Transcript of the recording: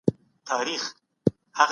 طبيعي چاپېريال زموږ په کلتور اغېز کوي.